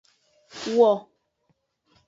Wo.